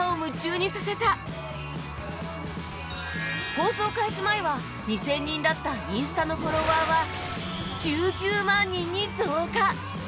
放送開始前は２０００人だったインスタのフォロワーは１９万人に増加